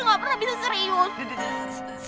untuk kenapa saya sedikit aja gak pernah bisa serius